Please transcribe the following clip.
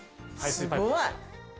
すごい！